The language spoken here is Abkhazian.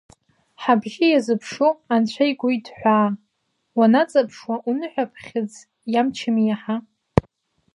Ҳабжьы иазыԥшу Анцәа игәы иҭҳәаа, уанаҵаԥшуа уныҳәаԥхьыӡ иамчыми иаҳа.